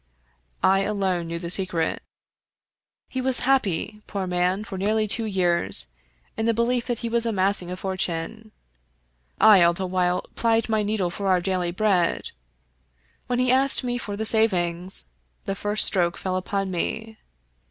I alone knew the secret. He was happy, poor man, for nearly two years, in the belief that he was amass ing a fortune. I all the while plied my needle for our daily bread. When he asked me for the savings, the first stroke fell upon me.